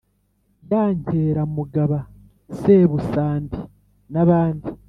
Ya nkeramugaba sebusandi n abandi